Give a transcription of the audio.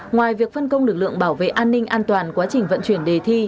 ngoài việc phân công lực lượng bảo vệ an ninh an toàn quá trình vận chuyển đề thi